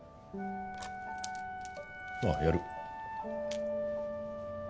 ああやる。